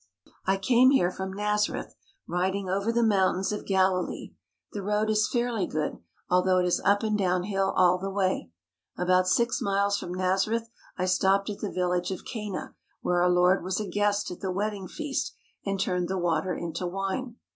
I came here from Nazareth riding over the mountains of Galilee. The road is fairly good, although it is up and down hill all the way. About six miles from Nazareth I stopped at the village of Cana where our Lord was a guest at the wedding feast and turned the water into wine.